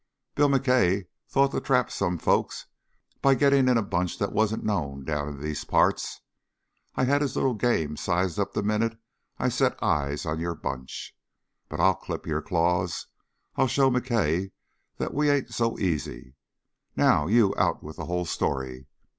Bill McKay thought to trap some folks by getting in a bunch that wasn't known down in these parts. I had his little game sized up the minute I set eyes on your bunch. But I'll clip your claws. I'll show McKay that we ain't so easy. Now you out with the whole story.